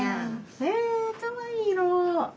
へえかわいい色。